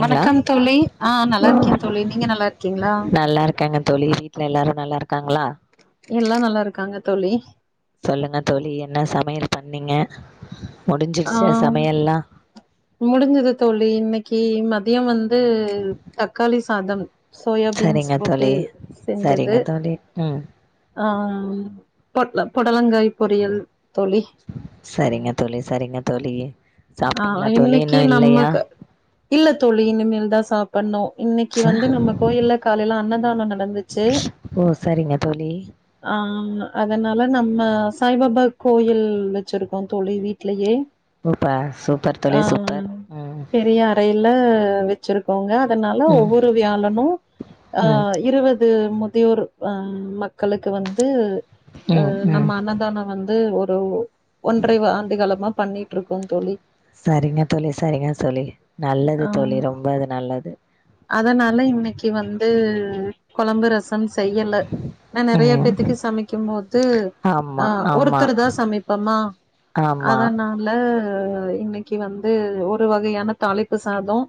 ங்களா வணக்கம் தோளி ஆஹ் நல்லா இருக்கே தோளி நீங்க நல்லாருக்கீங்களா ட்ல எல்லாரும் நல்லாருக்காங்களா எல்லாம் நல்லாருக்காங்க தோழி சொல்லுங்க தோழி என்ன சமையல் பண்ணீங்க ஆ முடிஞ்சிடுச்சு சமையல்லாம் முடிஞ்சது தோழி இன்னைக்கு மதியம் வந்து தக்காளி சாதம் சோயா பீன்ஸ் சரிங்க போட்டு தோழி சரிங்க தோழி உம் ஆஹம் பொடல பொடலங்காய் பொரியல் தோழி சரிங்க தோழி சரிங்க தோழி ஆஹ் சாப்ட்டீங்களா தோழி இன்னைக்கு இன்னு இல்லையா நம்மக்கு இல்ல தோலி இனிமேல் தான் சாப்பிடணும் இன்னைக்கு ச வந்து நம்ம கோயிலல காலையில அன்னதானம் நடந்துச்சு ஓ சரிங்க தோழி ஆஹ் அதனால நம்ம சாய்பாபா கோயில் வச்சிருக்கோம் தோலி வீட்லயே சூப்ப சூப்பர் தோழி ஆஹ்ம் சூப்பர் ம் பெரிய அறையில வச்சிருக்கோங்க அதனால ம் ஒவ்வொரு வியாலனும் ம் அஹ இருவது முதியோர் அஹ மக்களுக்கு வந்து ம் அஹ் ம் நம்ம அன்னதான வந்து ஒரு ஓ ஒன்றை ஆண்டு காலமா பண்ணிட்டு இருக்கோ தோலி சரிங்க தோலி சரிங்க சொல்லி நல்லது ஆ தோலி ரொம்ப அது நல்லது அதனால இன்னைக்கு வந்து கொழம்பு ரச செய்யல நான் நிறைய ம் பேத்துக்கு சமைக்கும்போது ஆமா ஆஹ ஆமா ஒருத்தர் தான் சமைப்போமா ஆமா அதனால இன்னைக்கு வந்து ஒரு வகையான தாலிப்பு சாதம்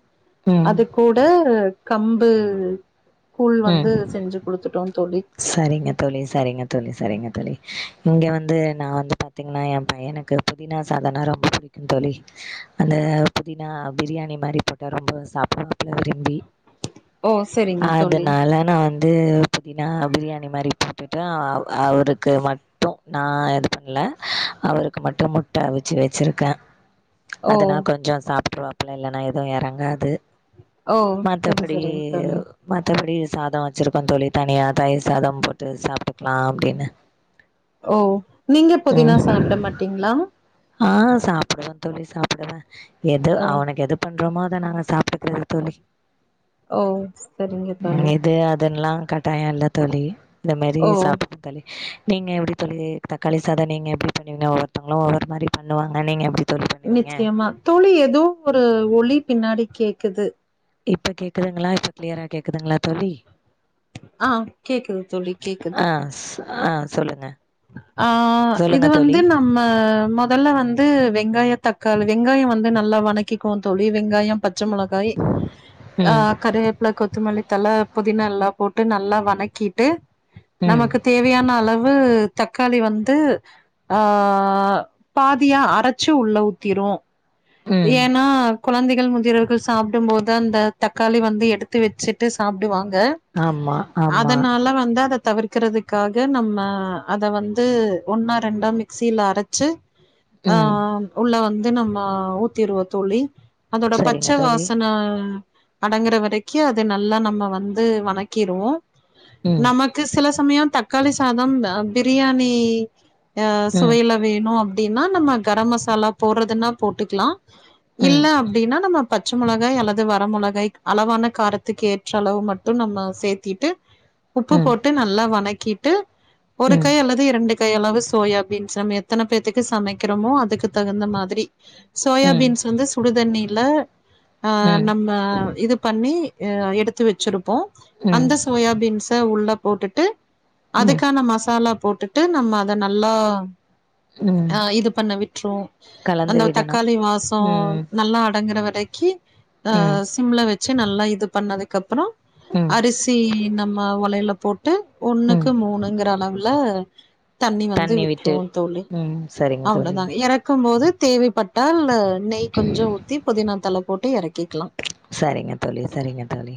ம் அது கூட ட கம்பு கூழ் வந்து உம் செஞ்சு குடுத்துட்டோ தோழி சரிங்க தோலி சரிங்க தோலி சரிங்க தோலி இங்கே வந்து நான் வந்து பார்த்திங்கன்னா என் பையனுக்கு புதினா சாதனா ரொம்ப பிடிக்கும் தோலி அந்த புதினா பிரியாணி மாதிரி போட்டா ரொம்ப சாப்பிடுவா விரும்பி ஓ சரிங்க தோலி நாலானா வந்து வந்து புதினா பிரியாணி மாதிரி போட்டுட்டு அவ அவருக்கு மட்டும் நான் இது பண்ணல அவருக்கு மட்டும் முட்ட அவிச்சு வச்சிருக்கேன் ஓ அதனா கொஞ்சம் சாப்டுருவேன் இல இல்ன்னா எதுவும் இறங்காது ஓ சரி சரி தோலி எப்படி சாதம் வச்சிருக்கோம் தோலி தனியா தயிர் சாதம் போட்டு சாப்பிட்டுக்கலாம் அப்படின்னு ஓ நீங்க புதினா சாப்பிட மாட்டீங்களா ஆஹ் சாப்பிடுவேன் துழி சாப்பிடுவேன் எது ஓ அவனுக்கு எது பண்ண ரொமாதான் நாங்க சாப்பிடுக்கறிறது தோழி ஓ சரிங்க உம் தோழி இது அதெல்லாம் கட்டாயம் எல்லாம் தொளி இந்த மாதிரி ஓ சாப்பிட தாலே நீங்கள் எப்படி தொழி தக்காளி சாதம் நீங்கள் எப்படி பண்ணுவீங்க ஒவ்வொருத்தவங்களும் ஒவ்வொரு மாதிரி பண்ணுவாங்க நீங்கள் எப்படி நிச்சயமா தோழி ஏதோ ஒரு ஒளி பின்னாடி கேக்குது இப்ப கேக்குதுங்களா இப்ப கிளியரா கேக்குதுங்களா தோழி ஆஹ் கேக்குது சொல்லி கேக்குது ஆஹ் சொல்லுங்க ஆஹ் இது சொல்லுங்க தோழி வந்து நம்ம முதல்ல வந்து வெங்காய தக்க வெங்காயம் வந்து நல்லா வணக்கிக்கு தழி வெங்காயம் பச்சை மிளகாய் ம் ஆஹ் கறிவேப்பள கொத்தமல்லி தல புதினா எல்லாம் போட்டு நல்லா வதக்கிட்டு ம் நமக்கு தேவையான அளவு உ தக்காளி வந்து ஆ ஹ் பாதியா ஆ அரைச்சு உள்ள ஊத்திரும் ம் ஏன்னா குழந்தைகள் மு வர்கள் சாப்பிடும் போது அந்த தக்காளி வந்து எடுத்து வச்சுட்டு சாப்பிடுவாங்க ங்க ஆமா ஆமா அதனால வந்து அதை தவிர்க்க வக்கிறதுக்காக நம்ம அத வந்து ஒன்னா ரெண்டா மிக்சியில அரைச்சு ம் ஆஹ் உள்ள வந்து நம்ம இருபத்தொள்ளி அதோட சரிங்க பச்சை தோழி வாசன அடங்குற வரைக்கும் அது நல்லா நம்ம வந்து வணக்கிருவோம் ம் நமக்கு சில சமயம் தக்காளி சாதம் பிரியாணி ம் சுவையில வேணும் அப்படின்னு அப்படின்னா நம்ம கரம் மசாலா போடுறதுன்னா போட்டுக்கலாம் ம் இல்ல அப்படின்னா நம்ம பச்ச மொளகாய் அல்லது வர மொளகாய் அளவான காரத்துக்கு ஏற்ற அளவு மட்டு நம்ம சேத்திட்டு உப்பு ம் ம் போட்டு நல்லா வனக் கிட்டு ஒரு ம் கை அல்லது இரண்டுக் கை அளவு சோயாபீன்ஸ் நம்ம எத்தன பேத்துக்கு சமைக்கறோமோ அதுக்கு தகுந்த மாதிரி தோயாபீன்ஸ் வந்து ஸ் சுடுதண்ணியில ஆஹ் ம் நம்ம இது பண்ணி ஹ எடுத்து வச்சிருப்போ அந்த ம் சோயாபீன்ஸ உள்ள போட்டுட்டு ம் அதுக்கான மசாலா போட்டுட்டு நம்ம அத நல்லா அஹ் இது பண்ண விட்டுருவோ கலந்துவிட க்காளிவாசோ நல்லா அடங்குற வரைக்கி ம் அஹ் சிம்ல வைக் சு நல்லா இது பண்ணதுக்குப்கப்றோ ம் அரிசி ந ம ஒலையல போட் டு ம் ஒன்னுக்கு மூணுங்குற அளவு ல்ல தண்ணி வந்து விட்ரு தோழி ம் சரிங்க தோழி அவ்ளோதாங் இறக்கு போது தேவைப்பட் [unintelligible] நெய் கொஞ்சொ ஊத்தி புதினா தல போட்டு இறக்கிக்கலா சேரிங்க தோழி சேரிங்க தோழி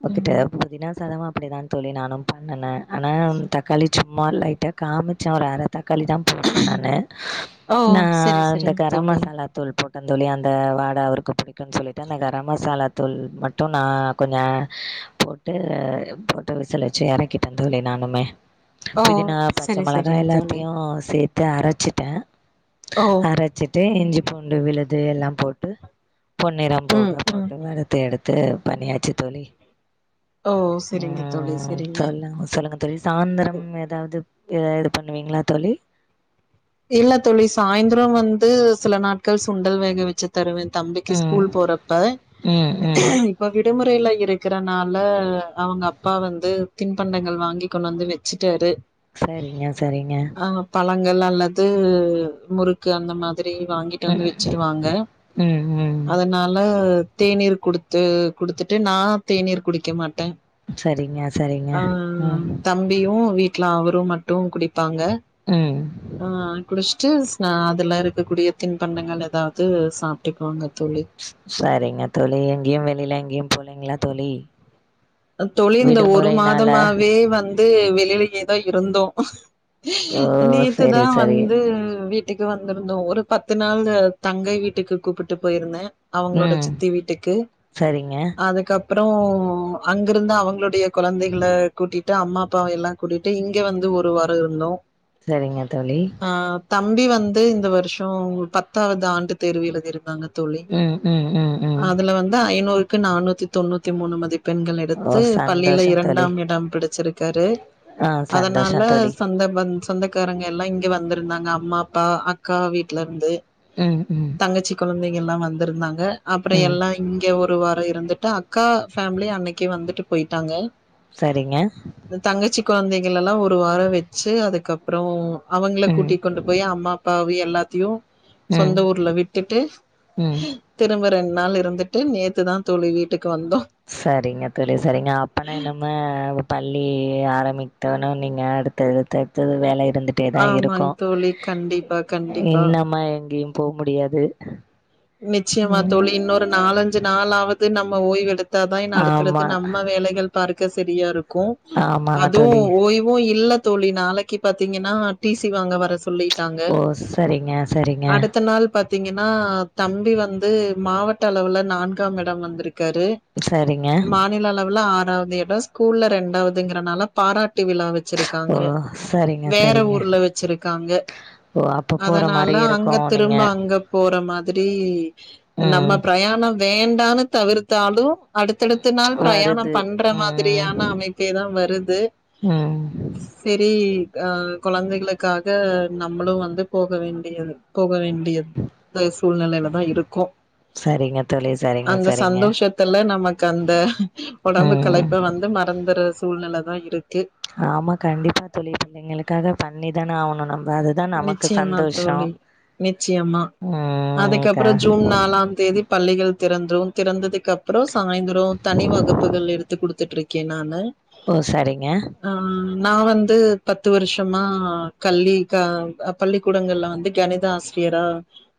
[unintelligible] அப்டி ம் தா தோழி நானு பண்ணனே ஆனா தக்காளி சும்மா லைட்டா காமிச்சு ஒரு அர தக்காளி தா போட்டே நானு ஓ நா செரி இந்த செரிங் கர தோழி மசாலா தூள் போட் தா தோழி அந்த வாட அவருக்கு புடிக்குனு சொல்லிட் டு அந்த கரமசாலா தூள் மட்டு நா கொஞ்ச அ போட்டு போட்டு விசில் வச்சு இறக்கிட்டே தோழி நானுமே ஓ புதினா பச்ச செரி மொளகா செரிங் தோழி எல்லாத்தையு சேத்து அரச்சிட்டே ஓ அரச்சிட்டு இஞ்சி பூண்டு விழுது எல்லாம் போட்டு பொண்ணு ம் போகா ம் போட்டு வரத்தி எடுத் து பண்ணியாச்சு தோழி ஓ ஆ சரிங்க தோழி சரிங்க சொல்லுங்க சொல்லுங்க தோழி சாயந்திரம் ஏதாவது இத ஆட் பண்ணுவீங்களா தோழி இல்ல தோழி சாயந்தொரொ வந்து சில நாட்கள் சுண்டல் வேக வச்சத் தருவே தம்பிக்கு ம் ஸ்கூல் போறப்ப ம் ம் இப்ப விடுமு டுயில இருக்கறனால அவங்க அப்பா வந்து தின்பண்டங்கள் வாங்கி கொண்டாந்து வச்சிட்டாரு சேரிங்க சேரிங்க. யெல்லால்ல. உம் முறுக்கு அந்த மாதிரி. திரி வாங்கிட்டு ம் வந்து வச்சிருவாங்க ம் ம் அதனால. தேநீர் குடுத்து குடுத்துட்டு நான் தேநீர் குடிக்க மாட்டேன். சரிங்க சரிங்க ட்ட ஆஹ ம் தம்பியும் வீட். டுல அவரும் மட்டும் குடி. பாங்க. ம் குடிச்சுட்டு அதுல இருக்கக்கூடிய தின்பண்ணங்கள் ஏதாவது சாப்பிட்டுக்குவாங்க. சரிங்க தொழி எங்கேயும் வெளியில எங்கேயும். போள்ளைங்களா தொழி. தொழில்ந்த ஒரு மாதமாவே வந்து. வெளியே தான் இருந்தோம். ஓ சரி நேத்துதான் சரி வந்து வீட். வீட்டுக்கு வந்திருந்தோம் ஒரு பத்து நாள் தங்கை வீட்டுக்கு கூப்பிட்டு போயிருந்தேன். அவங்களோட ம் சித்தி வீட்டுக்கு சரிங்க அதுக்கப். அப்புறம். அங்கிருந்து அவங்களுடைய குழந்தைகள கூட்டிட்டு அம்மா அப்பாவ எல்லாம் கூட்டிட்டு இங்க வந்து ஒரு வாரம் இருந்தோம். சரிங்க தோழி. தம்பி வந்து இந்த வருஷம் பத்தாவது ஆண்டு தேர்வி எழுதிருக்காங்க. தோழி ம் ம் ம் ம் அதுல வந்து ஐநூறு. நானூத்தி தொண்ணூத்தி மூணு மதிப். பெண்கள் ஓ எடுத்து பள்ளியில சந்தோஷம் தோழி இரண்டாம் இடம் பிடிச்சிருக்காரு ஆ அதனால சந்தோஷம் தோழி சந்தம்பந்தம். சொந்தக்காரங்க எல்லாம் இங்கே வந்திருந்தாங்க அம்மா அப்பா அக்கா வீட்டல இருந்து. ம் ம் தங்கச்சி குழந்தை. எல்லாம் வந்திருந்தாங்க. அப்புறம் ம் எல்லாம் இங்க. ஒரு வாரம் இருந்துட்டு அக்கா பேமிலி. அன்னைக்கே வந்துட்டு போயிட்டாங்க. சரிங்க. குழந்தைகள்ல்லாம் ஒரு வாரம் வச்சு அதுக்கப்புறம். அவங்கள ம் கூட்டி கொண்டு போய் அம்மா அப்பாவைய. எல்லாத்தியு. ம் சொந்த ஊர்ல விட்டுட்டு ம் திரும்பறேன். நாள் இருந்துட்டு நேத்துதான் தோழி வீட்டுக்கு வந்தோம். சரிங்கத் தோழி சரிங்க அப்பனா இனிமே பள்ளி ஆரம்பித்தோடன நீங்க அடுத்ததடுத்து வேலைய பா இருந்துட்டே தான் ஆமாங் இருக்கும் தோழி கண்டிப்பா கண்டிப்பா இன்னமா எங்கயும் போ முடியாது நிச்சயமா தோழி ம் இன்னொரு நாலஞ்சு நாலாவது நம்ம ஓய்வ் எடுத் த்தா தான் என் அடுத்தடுத்து ஆமா நம்ம வேலைகள் பார்க்க சரியா இருக் க்கும் ஆமாங்க தோழி அதுவும் ஓய்வும் இல்ல தோழி நாளைக்கு பாத்தீங்கன்னா டிசி வாங்க வர சொல்லி ஓ சரிங்க சரிங்க நாள் பாத்தீங்கன்னா தம்பி வந்து மாவட்ட அளவுல நான்காம் இடம் வந்திருக் இருக்கரு சரிங்க மாநில அளவில்ல ஆ றாது இடம் ஸ்கூல்ல இண்டாவதுங்கிறனால பாராட்டி விழா வச் ஓ வச்சிருக்காங்க சரிங்க வேற சரிங்க ஊர்ல வச்சிருக்காங்க ஓ அப்ப போற அதனால மாரி இருக்கு அங்க நீங்க திரும்ப அங்க போற மாதி சரி நம்ம ம் பிரயாணம் வேண்டான்னு தவிர்த்தாலும் அடுத்தடுத்து நாள் பிரயாணம் வருது பண்ற ம் மாதிரியான அமைப்பேதான் வருது ம் செரி ஆஹ் குழந்தைகளுக்காக நம்மளும் வந்து போக வேண்டியது போக வேண்டிய ய போ சூழ்நிலையில தான் இருக்கும் சரிங்க தோழி சரிங்க அந்த சரிங்க சந்தோஷத்துல நமக் க்கு அந்த உடம்பு ம் கிளைப்பு வந்து மறந்துரு சூழ்நிலை தான் இருக் ஆமா கண்டிப்பா தோழி பிள்ளைங்களுக்காக பண்ணி இதான ஆனும் நிச்சயமா தோழி நிச்சயமா ம் க அதுக்கப்புறம் ஜூன் நாலாம் தேதி பள்ளிகள் திறந்துரும் திறந்ததுக்கு அப்றோ சாயந்தரம் தனி வகுப்புகள் எடுத்து கொடுத்துட்டு இருக் என்னானு ஓ சரிங்க நா வந்து பத்து வருஷமா கல்லி பள்ளிக்கூடங்கள்ல வந்து கணித ஆசிரியரா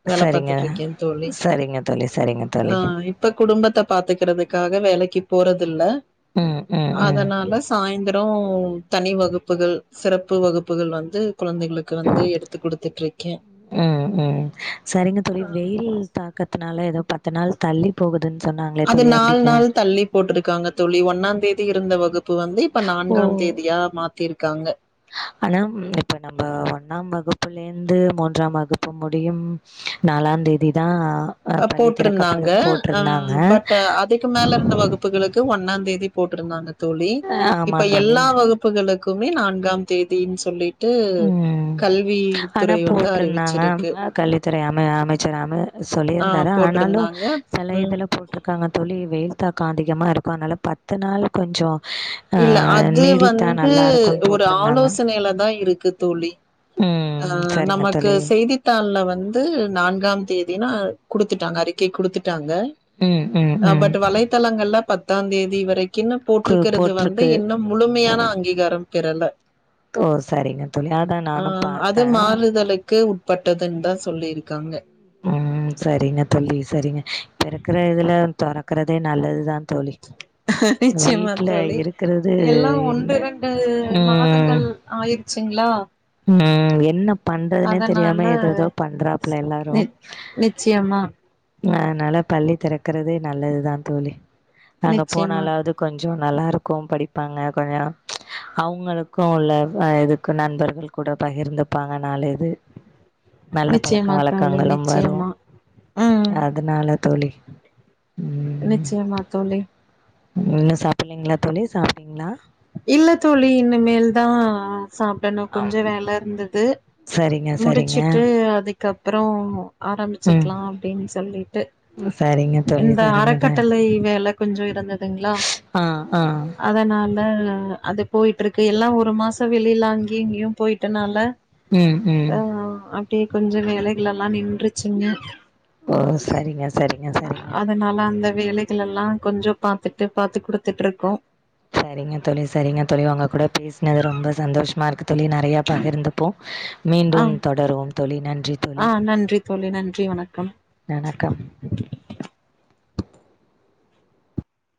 வேல சரிங்க பாத்துட்டுருக்கேன் தோழி சரிங்க தோழி சரிங்க தோழி ஆஹ் இப்ப குடும்பத்த பாத்துக்கறதுக்காக வேலக்கு போறதுல்ல ம் ம் ம் அதனால சாயந்தரம் தனி வகுப்புகள் சிறப்பு வகுப்புகள் வந்து குழந்தைகள் உம் ம் சரிங்க தோழி வெயில் தாக்கத்னால யேதோ ப தனால் தள்ளி போகு அது நால் நாள் தள்ளி போட்டிருக்காங்க தோழி ஒன்னாம் தேதி இருந்தவ இப்ப வந்து இப்ப ஓ நான்காம் தேதியா மாத்திருக்காங்க ஆனா லேந்து மூன்றாம் வகுப்பு முடியும் நாலாந் தேதிதான் போட்ருந்தாங்க அஹ பட் அதுக்கு மேல இருந்த வகுப்புகளுக்கு ஒன்னாம் தேேதி போட்டு ருந்தாங்க தோழி ஆமா தோழி இப்பயெல்லா வகுப்புகளுக் மே நான்காம் தேதின் சொல்லி உம் ஆனா வந்து போட்ருந்தாங்க அறிவிச்சிருக்கு கல்வித்துறை அம அமைச்சராம சொல்லி ஆ ஆனாலும் போட்ருந்தாங்க ம் செலயிதுல போட்ருக்காங்க தோழி வெயி தாக்கம் அதிகமாருக்கும் அதனால பத்து நாள் கொஞ்சம் யில்ல அது வந்து இருக்குன்னு ஒரு போட்ருந்தாங்க ஆலோசனயில தா யிருக்கு தோழி ம் ஆஹ் சரிங்க நமக்கு தோழி செய்தித்தாள்ல வந்து வந்து நான்காம் தேதினா குடுத்துட்டாங்க அறிக்கை குடுத்து காங்க ம் ம் ம் பட் வலைத்தளங்கள்ல பத்து பத்தாந்தேதி வரைக் கின்னு கு போட்ருக்கிறது வந்து போட்ருக்கு இன்னும் முழுமயான அங்கீகாரம் [unintelligible] கேரள தோர் சரிங்க தோழி அதான் நானும் பா அது மாறுதலு க்கு உட்பட்டதுன் தான் சொல்லிருக்காங்க உம் சரிங்க தோழி சரிங்க இப்பருக்கற இதுல துறக்கறதே நல்லதுதான் நிச்சயமா தோழி இருக்கிறது யெல்லாம் என்ன ஒன்று ரெண்டு மாதங்கள் ஆயிர் ச்சிங்ளா உம் என்ன பண்றதுனே அதனால தெரியாம எததோ பண்றாப்புல நி எல்லாரும் நிச்சயமா அ அதனால பள்ளி திறக்கறதே நல்லது தா தோழி நாங்க நிச்சயமா போனாலாவது கொஞ்சோ நல்லாருக்கு படிப்பாங்க கொஞ்ச அவங்களுக்கு உள்ள இதுக்கு நண்பர்கள் கூட பகிர்ந்துபாங்க நாலு இது நல்ல பழக்க நிச்சயமா தோழி நிச்சயமா ம் அதுனால தோழி ம் நிச்சயமா தோழி இன்னு சாப்ட்லைங்களா தோழி சாப்டிங்ளா இல்ல தோழி இனிமேல் தா சாப்டணு கொஞ்சோ வேலருந்தது சரிங்க சரிங்க முடிச்சுட்டு அது அதுக்கப்றோ ம் ஆரம்பிச்சிக்லா அப்டின் சொல்லி டு சரிங்க தோழி இந்த சரிங்கட அறக்கட்டளை வேல கொஞ்சோ இருந்து துங்கல ஆ ஆ அதனால் [unintelligible] அது போயிட்ருக்கு எல்லா ஒரு மாச வெளிலா அங்கயு இங்கயு போயிட்டனால ம் ம் அ அப்டியே கொஞ்ச வேலைகள் எல்லா நின்றுச்சுங்க ஓ சரிங்க சரிங்க சரிங்க எல்லா கொஞ்ச பாத்துட்டு பாத்து குடுத்துட்ருக்கோ சரிங்க தோழி சரிங்க தோழி உங்க கூட பேசுனது ரொம்ப சந்தோஷமா இருக்கு தோழி நெறையா பகிர்ந்துபோ மீண்டும் தொடருவோம் தோழி நன் அ நன்றி தோழி நன்றி வணக்கம் வணக்கம்